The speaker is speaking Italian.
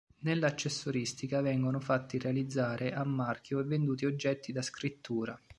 Nell'accessoristica, vengono fatti realizzare a marchio e venduti oggetti da scrittura.